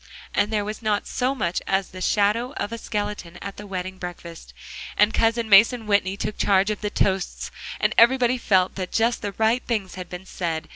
And there was not so much as the shadow of a skeleton at the wedding breakfast. And Cousin Mason Whitney took charge of the toasts and everybody felt that just the right things had been said.